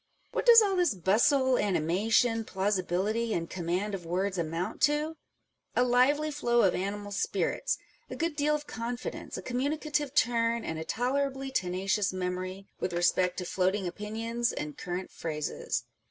What does all this bustle, anima tion, plausibility, and command of words amount to ? A lively flow of animal spirits, a good deal of confidence, a communicative turn, and a tolerably tenacious memory with respect to floating opinions and current phrases.